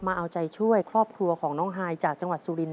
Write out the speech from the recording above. มาเอาใจช่วยครอบครัวของน้องฮายจากจังหวัดสุรินท